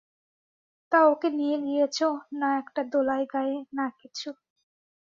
তা ওকে নিয়ে গিয়েচ, না একটা দোলাই গায়ে, না কিছু!